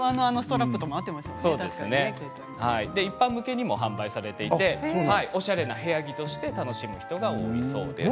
一般向けにも販売されていて、おしゃれな部屋着として楽しむ人が多いそうです。